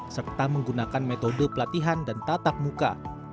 serta menggunakan metode pelatihan dan tatap muka